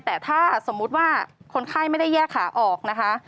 แต่ถ้าสมมุติว่าคนไข้ไม่ได้แยกขาออกนะคะ